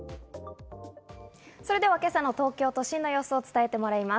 今朝の東京都心の様子を伝えてもらいます。